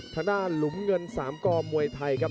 ทางด้านหลุมเงิน๓กมวยไทยครับ